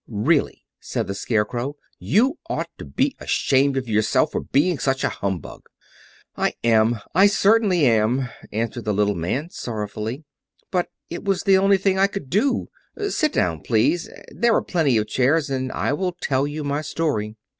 "Really," said the Scarecrow, "you ought to be ashamed of yourself for being such a humbug." "I am—I certainly am," answered the little man sorrowfully; "but it was the only thing I could do. Sit down, please, there are plenty of chairs; and I will tell you my story."